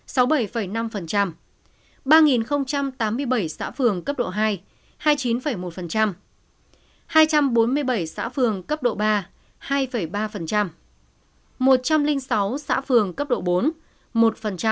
ba tám mươi bảy xã phường cấp độ hai hai mươi chín một hai trăm bốn mươi bảy xã phường cấp độ ba hai ba một trăm linh sáu xã phường cấp độ bốn